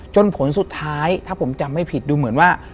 ผลสุดท้ายถ้าผมจำไม่ผิดดูเหมือนว่า